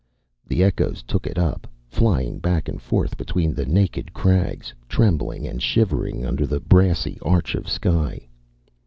The echoes took it up, flying back and forth between the naked crags, trembling and shivering under the brassy arch of sky.